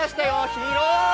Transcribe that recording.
広い。